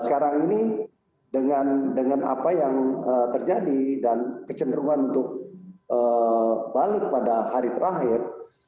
karena ini dengan apa yang terjadi dan kecenderungan untuk balik pada hari terakhir